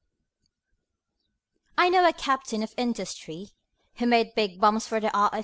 I know a Captain of Industry, Who made big bombs for the R.